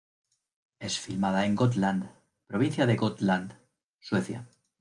Es filmada en Gotland, Provincia de Gotland, Suecia.